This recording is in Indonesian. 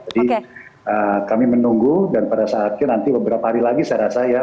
jadi kami menunggu dan pada saatnya nanti beberapa hari lagi saya rasa ya